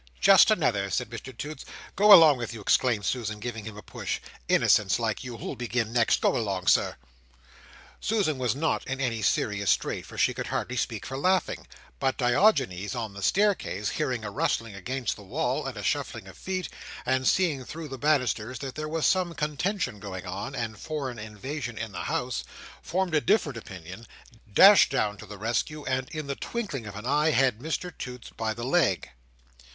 "Just another!" said Mr Toots. "Go along with you!" exclaimed Susan, giving him a push "Innocents like you, too! Who'll begin next? Go along, Sir!" Susan was not in any serious strait, for she could hardly speak for laughing; but Diogenes, on the staircase, hearing a rustling against the wall, and a shuffling of feet, and seeing through the banisters that there was some contention going on, and foreign invasion in the house, formed a different opinion, dashed down to the rescue, and in the twinkling of an eye had Mr Toots by the leg.